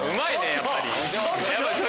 やっぱり。